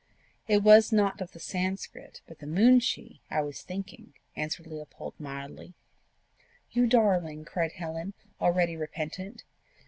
"It was not of the Sanscrit, but the moonshee I was thinking," answered Leopold mildly. "You darling!" cried Helen, already repentant.